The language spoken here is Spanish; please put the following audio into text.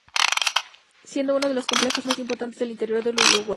Siendo uno de los complejos más importantes del interior del Uruguay.